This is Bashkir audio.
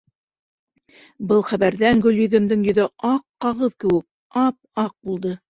Был хәбәрҙән Гөлйөҙөмдөң йөҙө аҡ ҡағыҙ кеүек ап-аҡ булды.